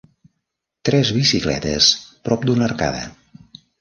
Tres bicicletes prop d'una arcada.